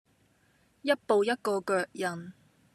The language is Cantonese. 一步一個腳印